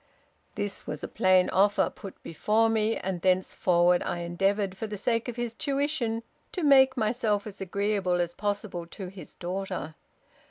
' "This was a plain offer put before me, and thenceforward I endeavored, for the sake of his tuition, to make myself as agreeable as possible to his daughter.